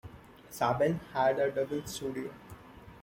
Saban had a dubbing studio.